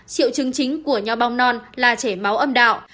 triệu chứng chính của nho bong non là chảy máu âm đạo